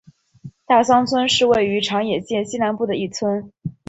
大桑村是位于长野县西南部的一村。